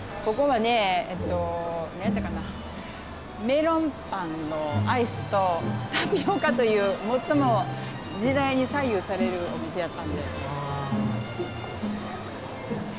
なんやったかなメロンパンのアイスとタピオカという最も時代に左右されるお店やったんで。